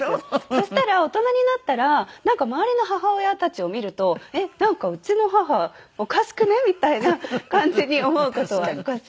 そしたら大人になったらなんか周りの母親たちを見ると「えっなんかうちの母おかしくね？」みたいな感じに思う事は少し。